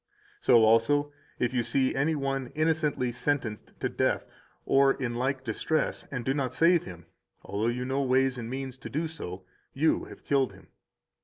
So also, if you see any one innocently sentenced to death or in like distress, and do not save him, although you know ways and means to do so, you have killed him.